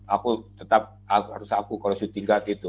aku tetap harus aku kalau shooting guard itu